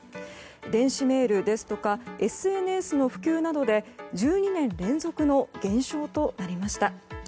電子メールですとかＳＮＳの普及などで１２年連続の減少となりました。